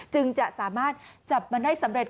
จึงจะสามารถจับมันได้สำเร็จ